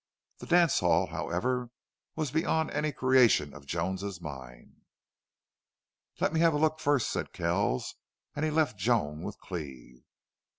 That dance hall, however, was beyond any creation of Joan's mind. "Let me have a look first," said Kells, and he left Joan with Cleve.